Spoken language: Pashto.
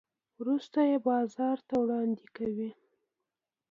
وروسته یې بازار ته وړاندې کوي.